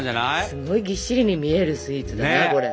すごいぎっしりに見えるスイーツだなこれ。